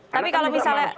tapi kalau misalnya